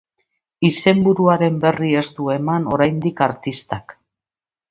Izenburuaren berri ez du eman oraindik artistak.